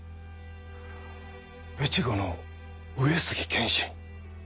越後の上杉謙信。